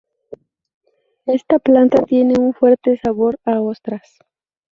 Esta planta tiene un fuerte sabor a ostras.